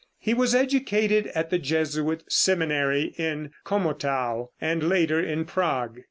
He was educated at the Jesuit seminary in Komotow, and later in Prague.